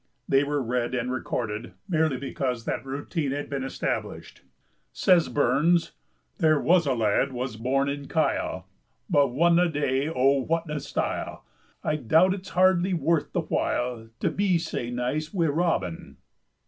They were read and recorded merely because that routine had been established. Says Burns: "There was a lad was born in Kyle, But whatna day o' whatna style, I doubt it's hardly worth the while To be sae nice wi' Robin."